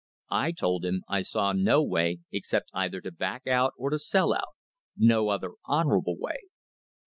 I told him I saw no way except either to back out or to sell out; no other honourable way.